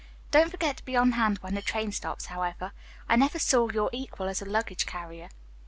Don't forget to be on hand when the train stops, however. I never saw your equal as a luggage carrier."